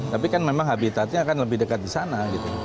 tapi kan memang habitatnya akan lebih dekat di sana